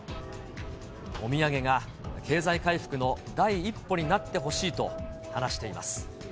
お土産が経済回復の第一歩になってほしいと話しています。